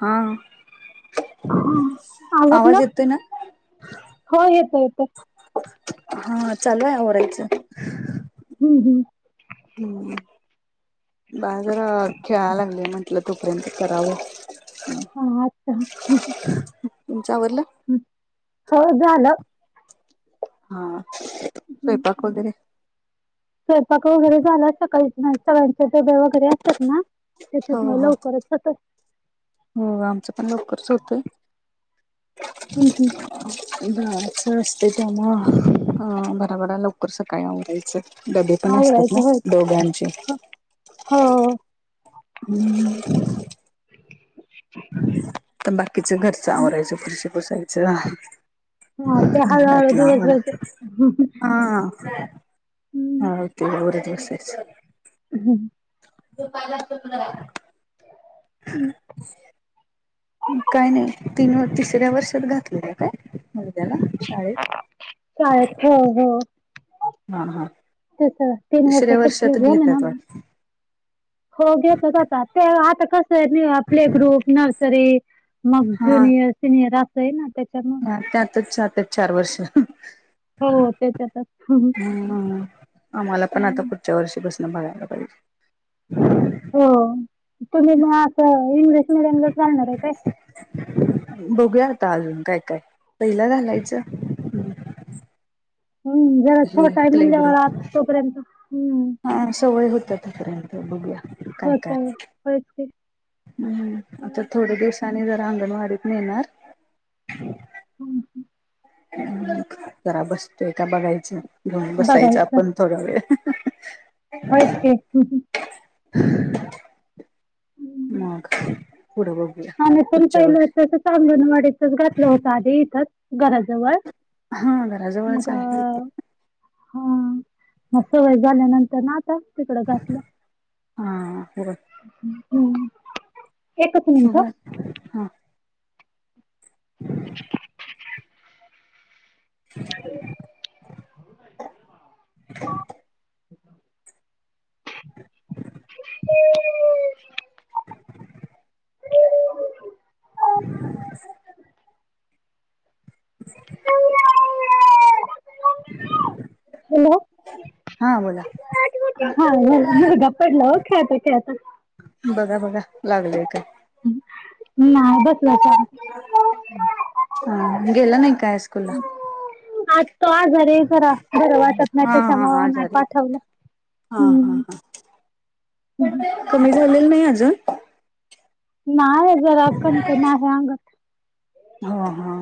हा हा आवाज आवरलं येतोय ना हो येतं येतं हा चालूयेआवरायचं ह हम् हम् ह बाजार खेळायला लागले म्हंटलं तोपर्यंत करावं हा अच्छा तुमच आवरलं हो झालं हा हं. स्वयंपाक वैगेरे स्वयंपाक वगैरे झाला सकाळी सगळ्यांच्या डब्या वगैरे असतात ना हो त्याच्यामुळे हो लवकरच होत हो आमचं पण लवकरच होतय हम् हम् बह असते त्यामुळं बराभरा लवकर सकाळी आवरायचं डबे पण असतात आवरायचं ना होय दोघांचे हो हम्म तर बाकीचं घरचं आवरायचं खुरशी बसायचं हा ते हळू हळू दिवसभरच ह ते र दिवसच हम्म त पाय जास्त काय नाही तीन तिसऱ्या वर्षात घातलेल्या काय मृद्याला शाळेत शळेत हो हो हा हा त तीन तिसऱ्या वर्षकअप वर्षात ना घेतात वाटत हो घेत आता ते आता कस आहे प्ले ग्रुप नर्सरी मग हा ज्युनियर सिनियर असय ना त्याच्या आणि त्यातच चात्यात चार वर्ष हो तेच आच हम्म आम्हाला पण आता पुडच्या वर्षी पसन बघायला पाहिजे हो तुमी म असं इंग्लिश मिीडियमला चालणार आहे काय बगुया आता अजून काय काय पइला घालायचं हम्म जा हे क्लेगर हं, हा सवय होत तपर्यंत बघूया काय काय होतंय. होयच की. हम् आता हं, थोडे दिवस आणि जरा अंगणवाडीत येेणार हम्म जरा बसतोय का बगायचं घेऊन बसायचं बघायचं. आपण थोडा वेळ हो तेच की मग पुढं बघूया [unintelligible] पुढच्या वेळेस त चांगून वाडीतच घातलं होत आधी इथच घराजवळ हा घराजवळच मग आहे अ हा म सवय झाल्यानंतर ना आता तिकड घातलं हा बर हम एकच मिनिट बर हा [inaudible] [inaudible] [unintelligible] [unintelligible] [unintelligible] हॅलो [unintelligible] [unintelligible] हॅलो हा बोला हा मुलगा पडला ओ खेळता खेळता बगा बगा लागलय काय नाही बस बच हा गेला नाही काय स्कूल ला आ तो आजारसरा घर वाटत नाही हा हा त्याच्यामुळे आजारी पाठवलं हा हा हम् हा कमी झालेल नाइ अजून नाइ ओ जरा कणकण आहे अंगात आ हा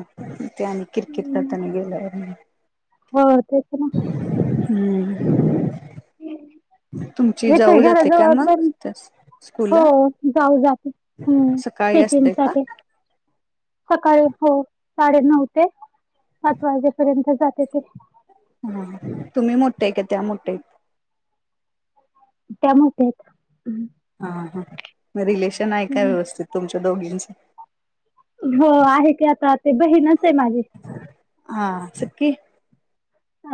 ते आणि किरकेट हम्म करताना गेलं हो ते हम्म तुमची हे तर जाऊ जाते काय घराजवळ मग आपण त्या स्कूल हो ला जाऊ जाते हम्म सकाळी असते का चेकिंगसाटी सकाळी हो साडे नऊ ते पाच वाजेपर्यंत जाते ते हा तुमी मोटेय का त्या मोटयायत टमाटो हा हा मग रिलेशन आये का हम्म. व्यवस्थित तुमच्या दोघींच हो आहे की आता ते बहीणच आय माजी हा सुकी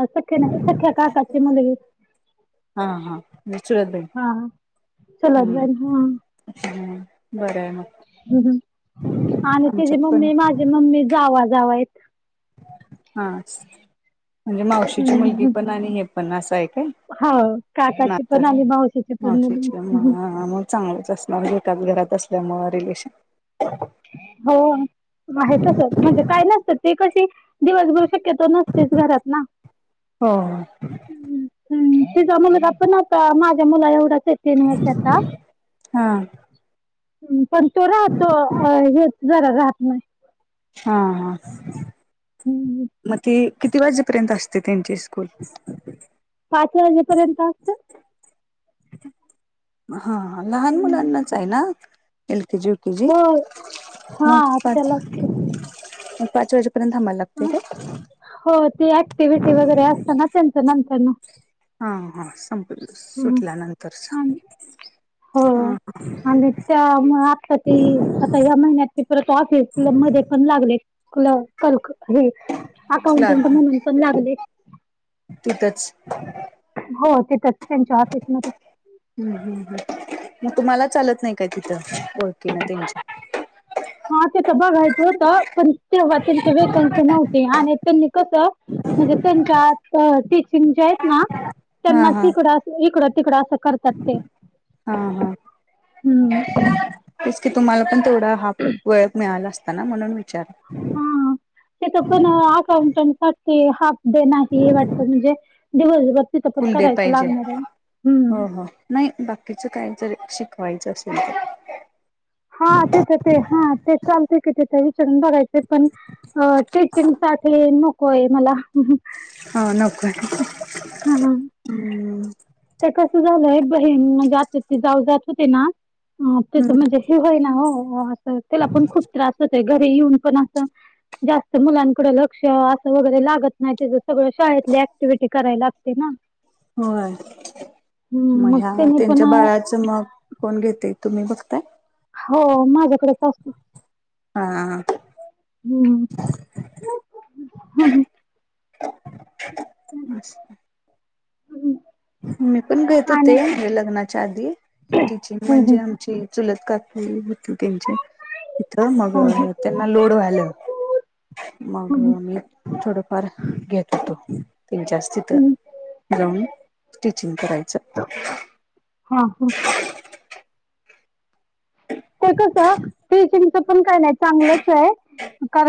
अ सख्या नाही सख्या काकाची मुलगी हा हा [unintelligible] [unintelligible] ह हम्म बरं आहे मग आणि ते जे आमच्यात म पण मे मा मम्मी जावा जावायत हा म्हणजे मावशीची मुलगी पण आणि हे पण असं आहे काय होा काकाचे नातं पण आ मावशीचे पण मग चांगलच असणार एच घरात असल्यामुं रिलेशन हो आहेस म्हणजे काय नसतं ते क दिवसभ शक्यतो नसतेच घरात ना हो ह् हम तिचा मुलगा पण आता माझ्या मुला एवढाचच तनस आता हा हा पण तो राह तो हे जरा राहात नाही हा हा हम् मग ते किती वाजेपर्यंत असते त्यांचे स्कूल पाच वाजेपर्यंत असत हा लहान मुलांनाच आहे ना एल केजी क ज हो हा मकी पा त्याला ते- मग पाच वाजेपर्यंत हमायला लागतय का हो तेी ऍक्टिव्हटी वगैरे असतना त्यांच नंतर ना हा हा संपलं हम्म. सुटल्यानंतर आणि- हो आणि त्या आता ती आता या महिन्यात ते परत ऑफिस तु मध्ये पण लागले तुला क अकाउंटंट म्हणून पण लागले तथंच हो तेथच त्यांच्या ऑफिसमध्येध्ये ह मग तुम्हाला चालत नाही काय तिथं ओके ना थँकच्यू हा ते तर बघायचं होतं पण तेव्हा त्यांचे वेकस नव्हते आणि त्यांनी कस म्हणजे त्यांच्या टीचिंग जे आहेत ना हा त्यांना हा तिकडं इकडं तिकडं असं कर सते हा हम्म ते की तुम्हाला पण तेथोडा हा वेळ मिळाला असताना म्हणून विचार हा तेथ पण अकाउंटंसाठी हा दे नाही वाटतं म्हणजे दिवसभबतीथं पण फुल डे करायचं पाहिजे लागणार आहे हम् हो हो नाही बाकीच काय जर शिकवायचं असेल तर हा तेच ते हा तेच चालते किथ बराय पण टीचिंग साठी नकोय मला हा नक हम् तर कसं झालंय बहीण जात ते जाऊ जात होते ना अ त्याच हम्म म्हणजे हे होय ना हो असं त्याला पण खूप त्रास होतय घरी येऊन पण असं जास्त मुलांकडे लक्ष असं वगैरे लागत नाही त्या सगळ शाळेतले ऍक्टिव्हटी करायला लागते ना होय मग हम्म ह्या त्यानी त्यांच्या पण बाळात मग कोण घेते तुम्ही बघताय हो माझ्याकडेच असत हा हम्म ह ह हम् मी पण घेत होते म्हणजे लग्नाच्या आधी टीचिंग हम्म म्हणजे हम्म. आमची चुलत काकी होती त्यांचे तिथ मग हम्म हम्म. त्यांना लोड व्हालं मग हम्म मी थोडंफार घेत होतो तनच्या हम्म. तिथं जाऊन स्टिचिंग करायचं हा हा ते कस टूचिंगच पण काय नाही चांगलंच आहे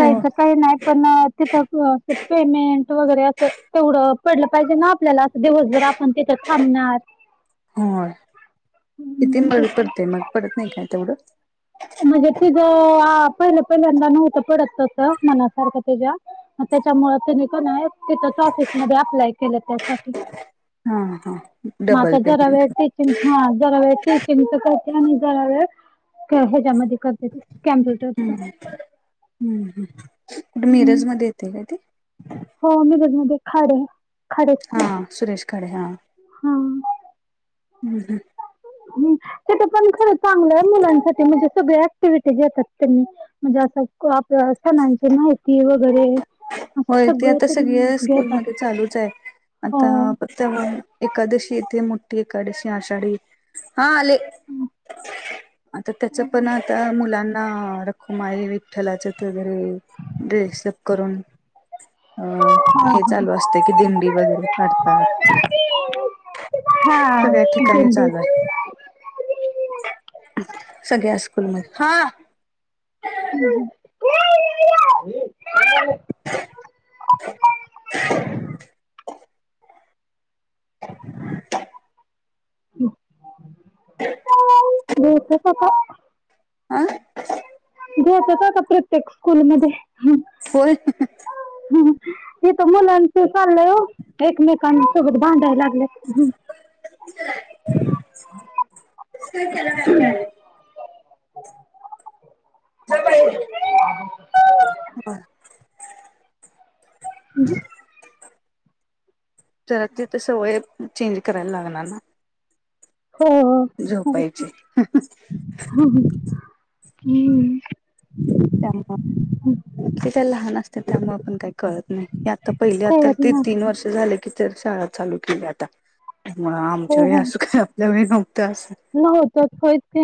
हो काही नाही पण तिथं पेमेंट वगैरे असं तेवढं पडलं पाहिजे ना आपल्याला दिवसभर आपण तिथं थांबणार हो किती वेळ पडते मग पडत नाही काय तेवढं म्हणजे तिझं पहिलं पहिल्यांदा नव्हतं पडत त मनासारखं तिच्या त्याच्यामुळे तिने की नाही तिथच ऑफिसमध्ये अप्लाय केलं त्यासाठी हा हा मग डबल आता जरा पेमेंट वेळ टीचिंग हा जरा वेळ टीचिंगच करते आणि जरा वेळ ह्याच्यामध्ये करते कॅम्प हम्म हम्म कुठे हम्म मिरज मध्ये येते काय ते हो मिरजमध्ये खाडे खाडे स्कूल हा सुरेश खाडे हा हम् हम ह् तिथं पण खर चांगलं मुलांसाठी म्हणजे सगळ्या ऍक्टिविटीघेतात त्यांनी म्हणजे असं आप सणांची माहिती वगैरे होय ते सगळं आता त्यांनी सगळ्या घेतात स्कूलमध्ये चालूच आहे आता हो तर एकादशी येते मोठी एकादशी आषाढी हा आले आता त्याच पण आता मुलांना. रखुमाई विठ्ठलाच वगैरे ड्रेसअप करून अं हा हे चालू असते की दिंडी वगैरे काढतात हा हा सगळ्या ठिकाणी दिंडी चालू आहे सगळ्या स्कूलमध्ये हा हम्म! घेतच [inaudible] [inaudible] हम. [unintelligible] ह घेतात आता प्रत्येक स्कूलमध्ये. होय. ह तिथ मुलांच चाललंय एकमेकां सोबत भांडायला लागले. [unintelligible] [inaudible] बर! [inaudible] जरा तीत सवयहाय चेंज करायला लागणार ना. हो हो. झोपायची. ह हम्म! त्यामुळ तिथे लहान असतात त्यामुळे पण काही कळत नाही. हे आता पहिल्या आता कळत ते ना तीन वर्ष झाले की तर शाळा चालू केल्या आता. म हो आमच्या वेळी हो असं काय आपल्या वेळी नव्हतं अस. नव्हतच होयच ते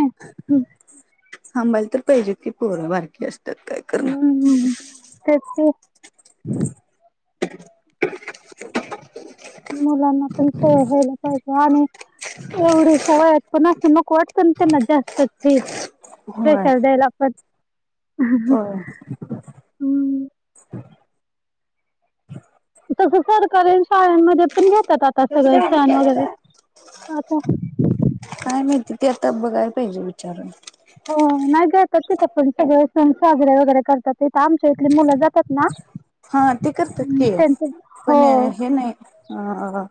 थांबायला तर पाहिजे की पोरं बा असतात काय करणार. हम्म. तेच की [inaudible] मुलांना पण सवय व्हायला पाहिजे आणि एवढ सवय हाय पण असं नको वाटत नं त्यांना जास्तच हे. होय प्रेशर द्यायला पण होय हम. तसं सरकारेल. शाळांमध्ये पण घेतात आता सगळे सण वगैरे. [unintelligible] काय माहित ते आता बघायला पाहिजे विचारून. हो नाही जातात तिथं पण सगळे सण साजरे वगैरे करतात, तिथ आमच्या इथली मुलं जातात ना. हां ते करतात अं, की त्यांचे हो पण हे नाही. अ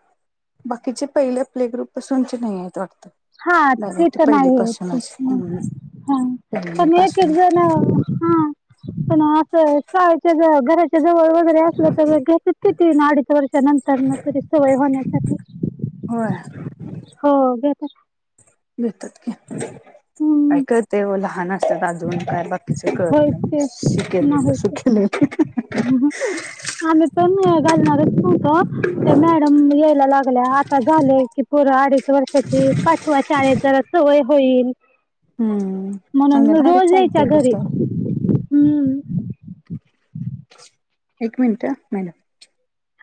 बाकीचे पहिल्या प्ले ग्रुप पासूनचे नाही आहेत वाटत. हां ते तर नाही ते हम्म हां पहिली पण एक पासून एक जण. हां पण असं शाळेच्या घरा च्या जवळ वगैरे असलं तर घतेति तीन अडीच वर्ष नंतर न तरी सवय होण्यासाठी. होय. हो घेतात. घेतात की, काय हम्म, कळत व लहान असतात अजून काय बघ बाकीच कळत होय नाही ते शी नाही केलेलं होय सु कलेल. आम्ही पण घालणारचं नव्हतो, ते मॅडम यायला लाग ल्या आता झालं की पोरं अडीच वर्षाची पाठवा शाळेत जरा सवय होईल. [inaudible] म्हणून अंगणवाडीत रोज यायच्या चालतंय घरी, बसवायला. हम्म! एक मिनिटं मॅडम.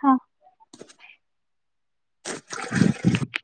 हां. [inaudible]